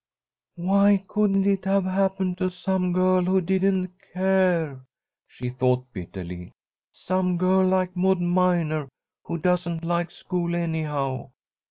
"Why couldn't it have happened to some girl who didn't care?" she thought, bitterly. "Some girl like Maud Minor, who doesn't like school, anyhow.